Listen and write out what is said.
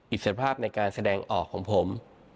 อิสรภาพในการแสดงออกของผม